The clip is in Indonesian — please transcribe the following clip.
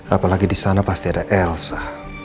apalagi di sana pasti ada elsa